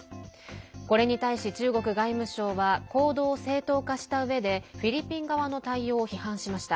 これに対し、中国外務省は行動を正当化したうえでフィリピン側の対応を批判しました。